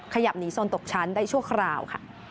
ขยับหนีโซนตกชั้นได้ชั่วคราวค่ะ